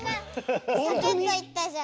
サクッといったじゃん。